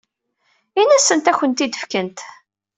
Ini-asent ad ak-ten-id-fkent.